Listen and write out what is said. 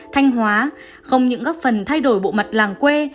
thanh hóa không những góp phần thay đổi bộ mặt làng quê